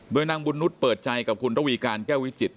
โดยนางบุญนุษย์เปิดใจกับคุณระวีการแก้ววิจิตร